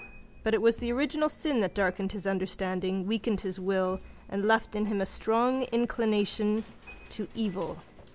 But it was the original sin that darkened his understanding, weakened his will and left in him a strong inclination to evil.